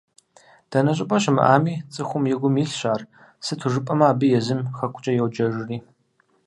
Дэнэ щӏыпӏэ щымыӏами, цӏыхум и гум илъщ ар, сыту жыпӏэмэ абы езым Хэкукӏэ йоджэжри.